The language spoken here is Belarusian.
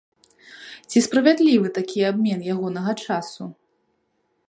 Ці справядлівы такі абмен ягонага часу?